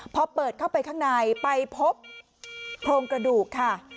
พอเปิดเข้าไปข้างในไปพบโครงกระดูกค่ะ